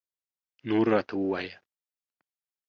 نور راته ووایه